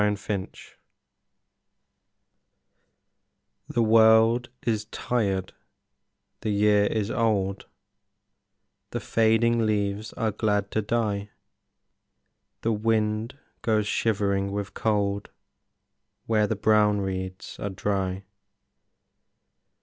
November The world is tired, the year is old, The fading leaves are glad to die, The wind goes shivering with cold Where the brown reeds are dry.